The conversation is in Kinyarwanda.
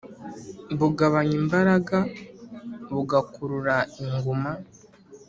bugabanya imbaraga, bugakurura inguma.